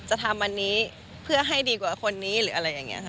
ทำอันนี้เพื่อให้ดีกว่าคนนี้หรืออะไรอย่างนี้ค่ะ